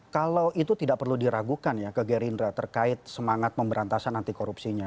kalau itu tidak perlu diragukan ya ke gerindra terkait semangat pemberantasan anti korupsinya